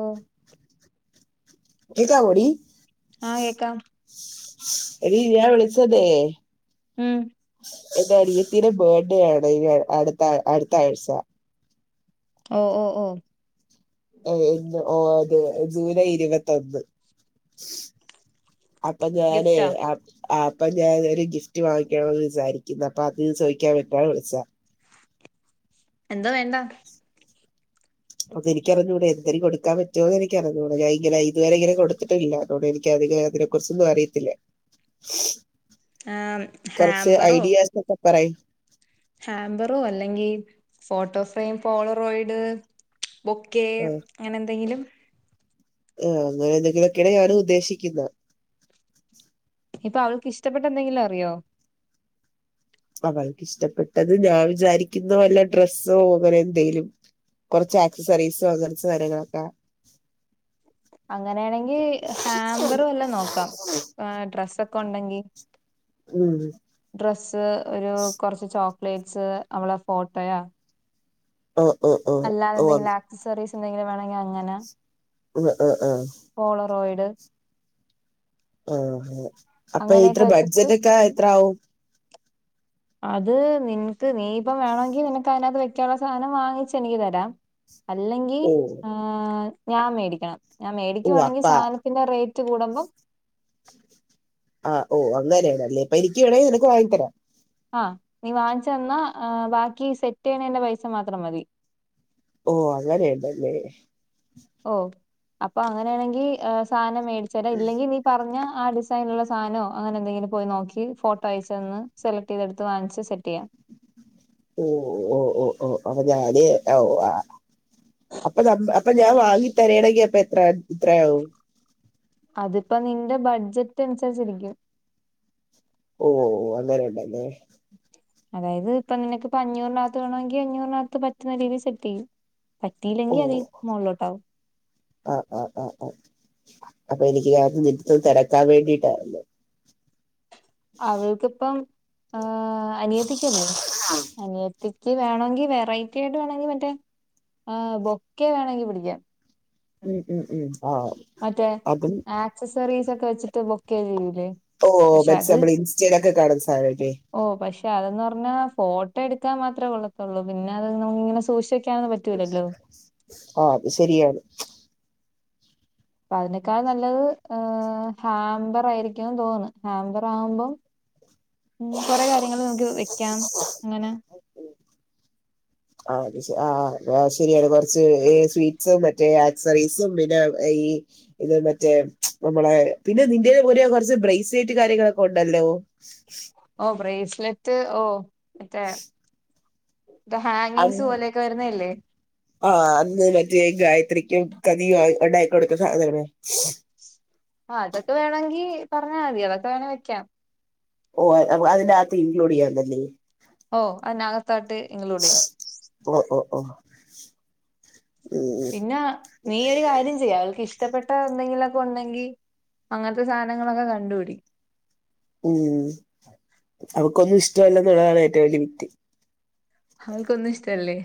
ഓ ഇതാവോടീ ആഹ് കേക്കാം എടീ ഞാൻ വിളിച്ചതെ ഉം എൻ്റെ അനിയത്തിന്റെ ബേർത്ത്ഡേ ആണ് ഈ അടുത്ത അടുത്ത ആഴ്ച ഓ ഓ ഓ ഓ എന്ന് ആഹ് അതെ ജൂലൈ ഇരുപത്തൊന്ന് അപ്പം ഞാനേ ഗിഫ്റ്റാ അം ആഹ് അപ്പം ഞാന് ഒരു ഗിഫ്റ്റ് വാങ്ങിക്കണമന്ന് വിചാരിക്കുന്നു അപ്പൊ അത് ചോദിക്കാൻ ഇപ്പഴാ വിളിച്ചാ എന്താ വേണ്ടാ അതെനിക്കറിഞ്ഞൂടാ എന്തെരും കൊടുക്കാൻ പറ്റോന്ന് എനിക്കറിഞ്ഞൂടാ ഞാ ഇങ്ങനെ ഇതുവരെ ഇങ്ങനെ കൊടുത്തിട്ടല്ല അതോ എനിക്കൊരാഗ്രഹം കൊച്ചിന്നും അറിയത്തില്ലാ ആഹ് കുറച്ച് ഹാമ്പറോ ഐഡിയാസ് ഒക്കെ പറയു ഹാമ്പറോ അല്ലെങ്കിൽ ഫോട്ടോ ഫ്രെയിം പോളറോയിഡ് ബൊക്കെ ആ, അങ്ങനെ എന്തെങ്കിലും ആഹ് അങ്ങനെ എന്തെങ്കിലുംക്കെണ് ഞാനും ഉദ്ദേശിക്കുന്ന ഇപ്പൊ അവൾക്ക് ഇഷ്ടപ്പെട്ട എന്തെങ്കിലും അറിയോ അവൾക്ക് ഇഷ്ടപ്പെട്ടത് ഞാൻ വിചാരിക്കുന്ന വല്ല ഡ്രസ്സോ അങ്ങനെ എന്തെലും കുറച്ച് ആക്സസറീസോ ങ്ങനത്തെ സാധനങ്ങളൊക്കെ അങ്ങനെയാണെങ്കിൽ ഹാമ്പറും എല്ലാം നോക്കാം ഡ്രസ്സൊക്കെ ഉണ്ടെങ്കിൽ ഉം ഡ്രസ്സ് ഒരു കൊറച്ച് ചോക്ലേറ്റ്സ് അവളെ ഫോട്ടോയാ ഓഹ് ഓഹ് അല്ലാതെന്തെങ്കിലും ആക്സസറീസ് എന്തെങ്കിലും വേണങ്കി അങ്ങനെ ഉവ്വ് അഹ് അഹ് പോളറോയിഡ് ആഹ് അഹ് അപ്പൊ ഇത്ര അങ്ങനെയൊക്കെ വെച്ചിട്ട് ബഡ്ജറ്റ് ഒക്കെ എത്ര ആവും അത് നിനക്ക് നീ ഇപ്പം വേണമെങ്കി നിനക്ക് അതിനകത്ത് വെക്കാനുള്ള സാധനം വാങ്ങിച്ചനിക്ക് തരാം അല്ലെങ്കി ഓ ആഹ് ഞാമേടിക്കണം ഞാൻ ഓ അപ്പ മേടിക്കുവാണെങ്കിൽ സാധന പിന്നെ റേറ്റ് കൂടുമ്പം ആഹ് ഓഹ് അങ്ങനെയേണല്ല അപ്പൊ എനിക്ക് വേണെങ്കി നിനക്ക് വാങ്ങി തരാം ആഹ് നീ വാങ്ങിച്ചു തന്നാ ബാക്കി സെറ്റ് ചെയ്യണന്റെ പൈസ മാത്രം മതി ഓഹ് അങ്ങനെണ്ടല്ലേ ഓഹ് അപ്പൊ അങ്ങനെയാണെങ്കിൽ സാധനം മേടിച്ചരാ ഇല്ലെങ്കിൽ നീ പറഞ്ഞ ആ ഡിസൈനുള്ള സാധനോ അങ്ങനെന്തെങ്കിലും പോയി നോക്കി ഫോട്ടോ അയച്ചതന്ന് സെലക്ട്യ്തടുത്ത് വാങ്ച്ച് സെറ്റ് യാം ഓഹ് ഓഹ് ഓഹ് ഓഹ് ഓഹ് അപ്പൊ ഞാന് ഓഹ് ആഹ് അപ്പൊ ന അപ്പൊ ഞാൻ വാങ്ങി തരേണെങ്കി അപ്പൊ എത്ര ത്രയാവും അതിപ്പോ നിന്റെ ബഡ്ജറ്റ് അനുസരിച്ചിരിക്കും ഓഓ അങ്ങനെയണ്ടല്ലേ അതായത് ഇപ്പൊ നിനക്ക്പ്പ അഞ്ഞൂറികത്ത് വേണമെങ്കി അഞ്ഞൂറിനകത്ത് പറ്റുന്ന രീതിൽ സെറ്റ് ചെയ്യും ഓ പറ്റിയില്ലെങ്കിൽ അത് മോളിലോട്ടാവും ആഹ് ആഹ് ആഹ് അഹ് അപ്പൊ എനിക്ക് കണം [unintelligible] തിരക്കാൻ വേണ്ടിയിട്ടായിരുന്നു അവൾക്കിപ്പം ഏഹ് അനിയത്തിക്കല്ലേ അനിയത്തി [unintelligible] വേണങ്കിൽ വെറൈറ്റി ആയിട്ട് വേണങ്കിൽ മറ്റേ ബൊക്കെ വേണങ്കിൽ പിടിക്കാം ഉം ഉം ഉം ആഒ മറ്റേ ആക്സസറീസ് ഒക്കെ വെച്ചിട്ട് ബൊക്കെ ചെയ്യൂ ലേ ഓഹ് മൻസ്സിമ്മൾ ഇൻസ്റ്റൽ ഒക്കെ കാണുന്ന സാനല്ലേ ഓഹ് പക്ഷെ അതെന്ന് പറഞ്ഞാ ഫോട്ടോ എടുക്കാൻ മാത്രേ കൊള്ളത്തുള്ളൂ പിന്നെ അത് നമങ്ങനെ സൂക്ഷ ക്യാനൊന്നും പറ്റൂല്ലല്ലോ ആഹ് അത് ശരിയാണ് അപ്പ അതിനേക്കാൾ നല്ലത് ഏഹ് ഹാംമ്പറായിരിക്കുംന്ന് തോന്നുന്നു ഹാമ്പർ ആകുമ്പം [inaudible] ഉ കൊറെ കാര്യങ്ങൾ നമുക്ക് വെക്കാം അങ്ങനെ ആഹ് അത് ആഹ് ആഹ് ശരിയാണ് കുറച്ച് സ്വീറ്റ്സും മറ്റേ ആക്സറീസും പിന്നെ ഈ ഇത് മറ്റേ നമ്മളെ പിന്നെ ഇന്ത്യെ പോലെ കുറച്ച് ബ്രൈസിലേറ്റ് കാര്യങ്ങളൊക്കെ ഉണ്ടല്ലോ [unintelligible] ഓ ബ്രേസ്ലറ്റ് ഓ മറ്റേ ത ഹാങ്ങിങ്സ് പോലെയൊക്കെ വരുന്നല്ലേ ആഹ് അന്ന് മറ്റേ ഗായത്രിക്കും കഥിയും ആ ഉണ്ടായിക്ക കൊടുക്കുന്ന സാധണ ആഹ് അതൊക്കെ വേണമെങ്കിൽ പറഞ്ഞാ മതി അതൊെ വേണമെങ്കിൽ വെക്കാം ഓഹ് അതിനകത്ത് ഇൻക്ലൂഡ് ചെയ്യാന്നല്ലേ ഓഹ് അതിനകത്തായിട്ട് ഇൻക്ലൂഡ് ചെയ്യാം ഓഹ് ഓഹ് ഓഹ് പിന്നെ നീ ഒരു കാര്യം ചെയ്യാം അവൾക്ക് ഇഷ്ടപ്പെട്ട എന്തെങ്കിലുമൊക്കെ ഉണ്ടെങ്കിൽ അങ്ങനത്തെ സാധനങ്ങളൊക്കെ കണ്ടുപിടി ഉം അവക്കൊന്നും ഇഷ്ടമല്ല എന്നുള്ളതാണ് ഏറ്റവും വലിയ വറ്റ്തി അവൾക്കൊന്നും ഇഷ്ടം അല്ലേ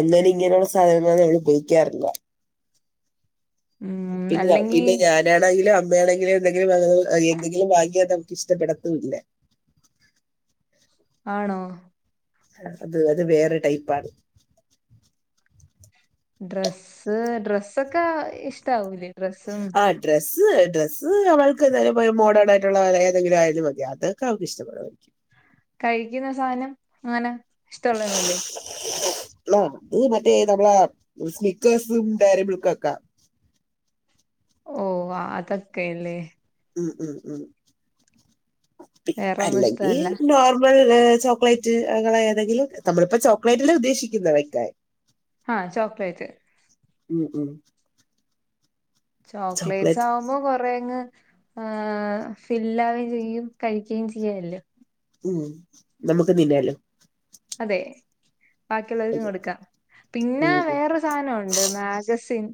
അങ്ങനെ ഇങ്ങനെയുള്ള സാധനങ്ങളും നമ്മൾ ഉപയോഗിക്കാറില്ല ഉം പിന്നെ അല്ലെങ്കി പിന്നെ ഞാൻ അന്നെ ആണെങ്കിലും അമ്മയാണെങ്കിലും എന്തെിലും എന്തെങ്കിലും വാങ്ങാൽ നമുക്ക്ഷ്ടപ്പെടത്തും ഇല്ല ആണോ അത് അത് വേറെ ടൈപ്പ് ആാണ് ഡ്രസ്സ് ഡ്രസ്സൊക്കെ ഇഷ്ടാവൂല ആഹ് ഡ്രസ്സ് ഡ്രസ്സ് അവൾക്ക് എന്തായാലും മോഡേൺ ആയിട്ടുള്ള ഏതെിലും ആയാലും മതി അതൊക്കെ അവക്ക് ഇഷ്ടം അച്ചൻ പറഞ്ഞാ കഴിക്കും കഴിക്കുന്ന സാനം അങ്ങനെ ഇഷ്ടുള്ളന്നല്ലേ ആഹ് അത് മറ്റേ നമ്മള സ്നിക്കേഴ്സും ഡയറി മിൽക്ക് ഒക്കെ ഓഹ് അതക്കല്ല ഉം ഉം ദ വേറൊന്നും അല്ലെങ്കിൽ ഇഷ്ടമല്ല നമ്മൾ ചോക്ലേറ്റ് ഏതെങ്കിലും നമ്മളിപ്പോ ചോക്ലേറ്റില് ഉദ്ദേശിക്കുന്ന വെക്കാെ ആഹ് ചോക്ലൈറ്റ് ഉം ഉം ചോക്ലേറ്റ്സ് ചോക്ലേറ്റ് ആവുമ്പോ കൊറ അങ്ങ് ഫില്ലാവുകയും ചെയ്യയും കഴിക്കയും ചെയ്യല്ലോ ഉം നമുക്ക് തിന്നാലോ അതെ ബാക്കിയുള്ളവർക്കും അത് കൊടുക്കാം പിന്നെ ഉം ഉം വേറെ അവസാനംണ്ട് മാഗസിൻ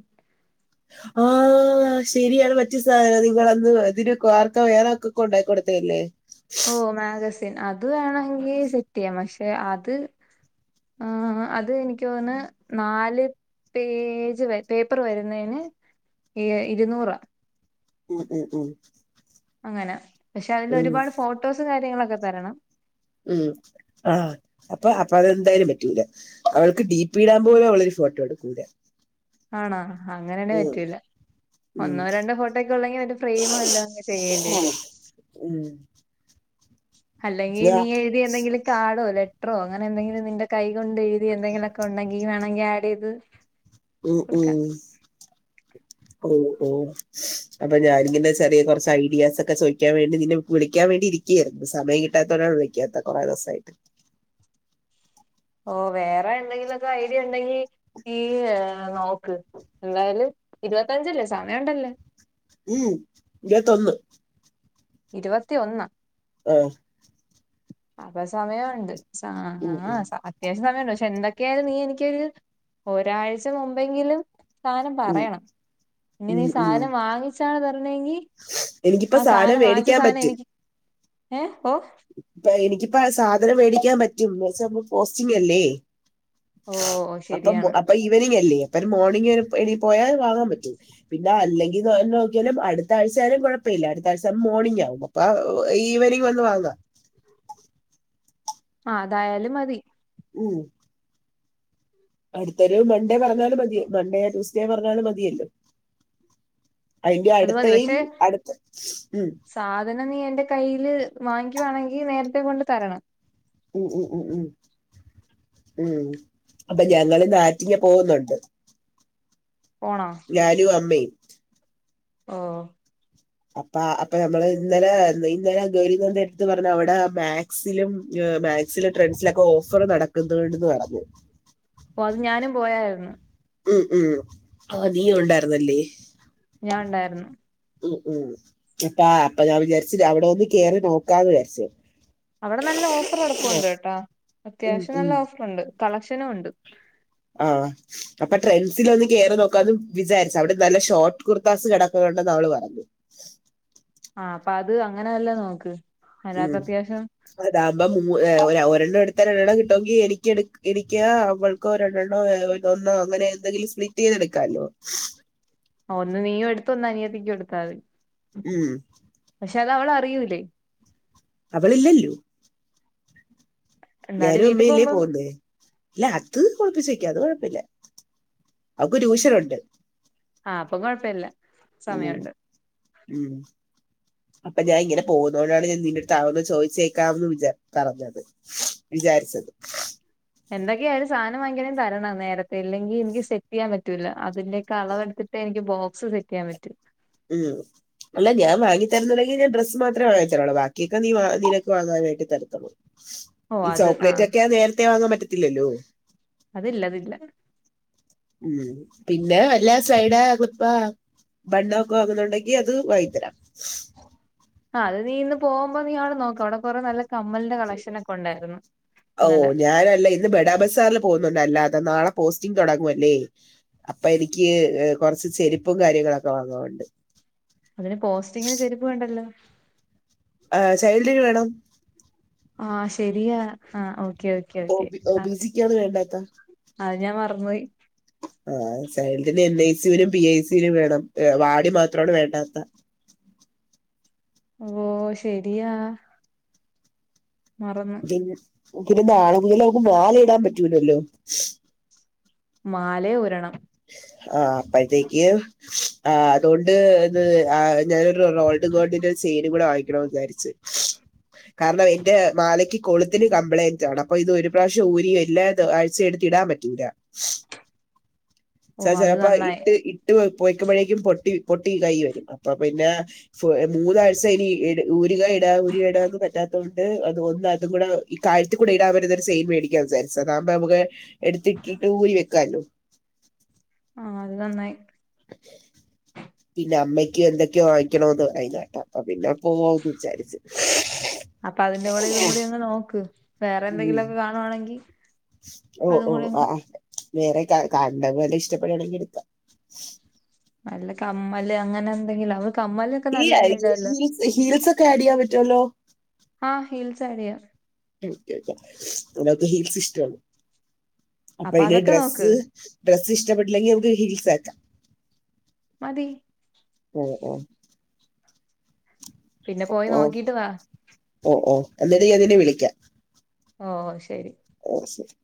ആഹ് ആഹ് ശരിയാണ് മറ്റു സാധനം നിങ്ങളന്ന് ഇതിനൊക്കെ ആർക്കാ വേറെൊക്കൊക്കെ ഉണ്ടായി കൊടുത്തല്ലേ ഓ മാഗസിൻ അത് വേണെങ്കി സെറ്റ് ചെയ്യാം പക്ഷെ അത് ആഹ് അത് എനിക്ക് തോന്ന് നാല് പേജ് പേപ്പർ വരുന്നതിന് ഇരുന്നൂറ ഉം ഉം ഉം അങ്ങനെ പക്ഷെ അതിൽ ഉം, ഒരുപാട് ഫോട്ടോസും കാര്യങ്ങളൊക്കെ തരണം ഉം ആഹ് അപ്പൊ അപ്പൊ അതെന്തായാലും പറ്റൂല അവൾക്ക് ഡി പി ഇടാൻ പോലെ ഉള്ളൊരു ഫോട്ടോ എടുകൂല ആണോ അങ്ങനെയാന്നേ പറ്റൂല ഉം, ഒന്നോ രണ്ടോ ഫോട്ടോ ഒക്കെ ഉള്ളെങ്കിൽ ഒരു ഫ്രെയിമോ എല്ലാം അങ്ങെ ചെയ്യേണ്ടി വരും. ഉം അല്ലെങ്കി ഞാ, നീ എഴുതിയ എന്തെങ്കിലും കാടോ ലെറ്ററോ അങ്ങനെ എന്തെങ്കിലും നിന്റെ കൈ കൊണ്ട് എഴുതി എന്തെങ്കിലുമൊക്കെ ഉണ്ടെങ്കി വേണെങ്കി ആഡയ്ത് ഉം ഉം ഓഹ് ഓഹ് അപ്പൊ ഞാനിങ്ങനെ ചെറിയ കുറച്ച് ഐഡിയാസ് ഒക്കെ ചോദിക്കാൻ വേണ്ടി നിന്നെ വിളിക്കാൻ വേണ്ടി ഇരിക്കു. [unintelligible] സമയം കിട്ടാത്തോണ്ടാണ് വിളിക്ക്യാത്തെ കൊറെ ദെവസായിട്ട്. ഓഹ് വേറെ എന്തെങ്കിലുമൊക്കെ ഐഡിയ ഒണ്ടെങ്കി ഈ നോക്ക്. എന്തായാലും ഇരുപത്തഞ്ചല്ലേ സമയം ഒണ്ടല്ല്. ഉം ഇരുവത്തൊന്ന്. ഇരുവത്തിഒന്ന്. ആഹ് അപ്പൊ സമയോണ്ട് സാ ഉം, ആ ഉം, സ അത്യാവശ്യം സമയ്ണ്ട്. പക്ഷെ എന്തൊക്കെയായാലും നീ എനിക്കൊരു ഒരാഴ്ച മുമ്പെങ്കിലും സാനം ഉം, പറയണം. ഇനി നീ ഉം, ഉം. സാധനം വാങ്ങിച്ചാണ് തരണെങ്കി എനിക്കിപ്പോ ആ സാധനം സാനം വാങ്ങിച്ച മേടിക്കാൻ സാനം പറ്റും എനിക്കി ഏഹ് ഓഹ് ഇപ്പ എനിക്കിപ്പ സാധനം വേടിക്കാൻ പറ്റും ന്നുവെച്ചാ [unintelligible] പോസ്റ്റിംഗ് അല്ലേ. ഓ അപ്പം ശരിയാണ് അപ്പ ഈവനിങ് അല്ലേ പ്പൊ മോർണിംഗ് എനി പോയാ വാങ്ങാൻ പറ്റും. പിന്നെ അല്ലെങ്കി നോ നോക്കിയാലും അടുത്താഴ്ചയാലും കൊഴപ്പല്ല്യ അടുത്ത ആഴ്ച മോർണിംഗ് ആകുമ്പൊ. [unintelligible] ഈവനിംഗ് വന്ന് വാങ്ങ. ആഹ് അതായാലും മതി. ഉം അടുത്തൊരു മൺഡേ പറഞ്ഞാലും മതി മണ്ടേയാ ട്യൂസ്ഡേ പറഞ്ഞാലും മതിയല്ലോ. അത് അതിന്റെയടുത്ത മതി യിം പക്ഷെ അടുത്ത ഉം സാധനം നീ എന്റെ കയ്യില് വാങ്ങിക്കുവാണെങ്കി നേരത്തെ കൊണ്ട് തരണം. ഉം ഉം ഉം ഉം ഉംമ് അപ്പൊ ഞങ്ങള്ന്ന് ആറ്റിങ്ങ പോകുന്നുണ്ട്. പോണ? ഞാനും അമ്മേം. ഓഹ് അപ്പാ അപ്പ നമ്മള് ഇന്നലെ ഇന്ന് ഇന്നലെ ജോലിക്ക് പോകാൻ നേരത്ത് പറഞ്ഞ അവിടെ മാ ക്സിലും ഏ മാക്സിലും ട്രെൻസിലൊക്കെ ഓഫർ നടക്കുന്നുണ്ട്ന്ന് പറഞ്ഞു. ഓഹ് അത് ഞാനും പോയായ്രുന്നു. ഉം ഉം ഓ നീയുണ്ടായിരുന്നല്ലേ ഞാൻണ്ടായിരുന്നു. ഉം ഉം അപ്പ അപ്പൊ ഞാൻ വിചാരിച്ച് അവിടെ ഒന്ന് കേറി നോക്കാന്ന് വിചാരിച്ച്. അവിടെ നല്ല ഓഫർ നടപ്പുണ്ടയെട്ടാ ഉം അത്യാവശ്യം ഉം നല്ല ഓഫറുണ്ട് കളക്ഷനുമുണ്ട്. ആഹ് അപ്പ ട്രെൻഡ്സില് ഒന്ന് കേറി നോക്കാന്നു വിചാരിച്ച്. അവിടെ നല്ല ഷോർട്ട് കുർത്താസ് കെടക്കുന്നുണ്ടെന്ന് അവള് പറഞ്ഞു. ആഹ് അപ്പത് അങ്ങനെ വല്ല നോക്ക്. ഒരാക്ക് അത്യാവശ്യം അതാവുമ്പം മു ഏ ഒരെണ്ണം എടുത്ത രണ്ടെണ്ണം കിട്ടുമെങ്കി എനിക്ക് എടുക്ക് എനിക്ക്യാ അവൾ ക്കോ രണ്ടെണ്ണോ എ ഒന്നോ അങ്ങനെ എന്തെങ്കിലും സ്പ്ളിറ്റ് ചെയ്തെടുക്കാല്ലോ. ഒന്ന് നീയും എടുത്തൊ ഒന്ന് അനിയത്തിക്കും എടുത്താതി. ഉം പക്ഷെ അതവളറിയൂല്ലേ. അവളില്ലല്ലോ. എന്നാലും ഞാനും വീട്ടിൽ ഉമ്മി ല്ലേ പോകുമ്പം പോവുന്നേ. ല്ല അത് [unintelligible] അത് കൊഴപ്പല്ല്യ. അവൾക്ക് ട്യൂഷനുണ്ട്. ആഹ് അപ്പ കൊഴപ്പല്ല്യ. ഉം ഉം അപ്പ ഞാൻ ഇങ്ങനെ പോകുന്നോണ്ടാണ് ഞാൻ നിന്റെ അടുത്ത് അതൊന്ന് ചോയ്ച്ചേക്കാമെന്ന് വിചാരി പറഞ്ഞത്. [unintelligible] വിചാരിച്ചത്. എന്തൊക്കെയായാലും സാധനം വാങ്ങിക്കണേ തരണം നേരത്തെ ഇല്ലെങ്കിൽ എനിക്ക് സെറ്റ് ചെയ്യാൻ പറ്റൂല്ല അതിന്റെയൊക്കെ അളവെടുത്തി പ്പൊ എനിക്ക് ബോക്സ് സെറ്റെയ്യാൻ പറ്റും ഉം അല്ല ഞാൻ വാങ്ങി തരുന്നുണ്ടെങ്കിൽ ഞാൻ ഡ്രസ് മാത്രേ വാങ്ങിച്ചുത്തരുള്ളു ബാക്കിയൊക്കെ നീ നിനക്ക് വാങ്ങാനായിട്ട് തരത്തൊള്ളൂ. ഓഹ് ഈ അത് ചോക്ലേറ്റ് ആഹ് ഒക്കെ നേരത്തെ വാങ്ങാൻ പറ്റത്തില്ലല്ലോ അതില്ലതില്ല ഉം പിന്നെ വല്ലൊ സ്ലൈഡോ ക്ലിപ്പോ ബണ്ണൊക്കെ വാങ്ങുന്നുണ്ടെങ്കി അത് വാങ്ങി തരാം ആ അത് നീ ഇന്ന് പോകുമ്പോ നീ അവിടെ നോക്ക് അവിടെ കൊറേ നല്ല കമ്മലിന്റെ കളക്ഷൻ ഒക്കെ ഉണ്ടായിരുന്നു ഇന്നലെ ഞാനല്ലേ ഇന്ന് ബഡാ ബസാറിൽ പോകുന്നുണ്ട് അല്ലാതെ നാളെ പോസ്റ്റിംഗ് തൊടങ്ങുവല്ലേ അപ്പൊ എനിക്ക് കൊറച്ച് ചെരുപ്പും കാര്യങ്ങളൊക്കെ വാങ്ങാനുണ്ട്. അതിന് പോസ്റ്റിങ്ങിന് ചെരുപ്പ് വേണ്ടല്ലോ ആ ചൈൽഡിന് വേണം ആ ശെരിയാ ആ ഓക്കെ ഓക്കെ ഒ ഓക്കെ ഒ ആ ബി സിക്കാണ് വേണ്ടാത്ത അത് ഞാൻ മർന്നോയ് ആ ചൈൽഡിന് എൻ ഐ സി വരും പി ഐ സിൽ വേണം വാർഡി മാത്രമാണ് വേണ്ടാത്ത ഓ ശരിയാ മറന്നു ഇൻ പിന്നെ നാളെ മുതൽ അവക്ക് മാലയിടാൻ പറ്റൂലല്ലോ മാലേം ഊരണം ആ അപ്പഴത്തേക്ക് ആ അതോണ്ട് ഇത് ആ ഞാനൊരു റോൾഡ് ഗോൾഡിന്റെ ഒരു ചെയിനും കൂടെ വാങ്ങിക്കണോന്ന് വിചാരിച്ച് കാരണം എന്റെ മാലയ്ക്ക് കൊളുത്തിന് കംപ്ലയിന്റ് ആണ് അപ്പൊ ഇത് ഒരു പ്രാവശ്യം ഊരിയില്ലാ ത് അഴിച്ചെടുത്ത് ഇടാൻ പറ്റൂല ഓ ച്ചാ അത് ചെലപ്പൊ നന്നായി ഇട്ട് ഇ ട്ട് പോയ്ക്കുമ്പോഴേക്കും പൊട്ടി പൊട്ടി കൈയി വരും അപ്പൊ പിന്നെ മൂന്നാഴ്ച ഇനി ഊരുക ഇടുക ഊരുക ഇടുക ഒന്നും പറ്റാത്തോണ്ട് അത് അത് ഒന്ന് അതും കൂടെ ഈ കഴുത്തിൽ കൂടി ഇടാൻ പറ്റുന്നൊരു ചെയിൻ മേടിക്കാന്നു വിചാരിച്ചു അതാകുമ്പോ നമുക്ക് എടുത്തിട്ടിട്ട് ഊരി വെക്കാലോ ആ അത് നന്നായി പിന്നെ അമ്മയ്ക്കും എന്തൊക്കെയോ വാങ്ങിക്കണോന്ന് പറയുന്നത് കേട്ട് അപ്പൊ പിന്നെ പോവാന്ന് വിചാരിച്ചു. അപ്പൊ അതിന്റെ കൂടെ ഇതും കൂടി ഒന്ന് നോക്ക് വേറെ ഉം എന്തെങ്കിലുമൊക്കെ കാണുവാണെങ്കി ഓ ഓ ആ വേറെ ക കണ്ടതുവല്ലോം ഇഷ്ടപ്പെടുകയാണെങ്കിൽ എടുക്കാം നല്ല കമ്മല് അങ്ങനെന്തെങ്കിലും അവക്ക് കമ്മല് ഈ [unintelligible] ഹീൽസൊക്കെ ആഡെയ്യാൻ പറ്റൊല്ലോ ആ ഹീൽസ് ആഡ് ചെയ്യാം [unintelligible] അവക്ക് ഹീൽസ് ഇഷ്ടമാണ് അപ്പൊ ഇത് അതൊക്കെ നോക്ക് ഡ്രെസ്സ് ഡ്രെസ്സ് ഇഷ്ടപ്പെട്ടില്ലെങ്കി നമുക്ക് ഹീൽസ് ആക്കാം മതി ഉം ഉം പിന്നെ പോയി അപ്പൊ നോക്കിട്ട് വാ ഓ ഓ എന്നിട്ട് ഞാൻ നിന്നെ വിളിക്കാം ഓ ശരി ഓ ശരി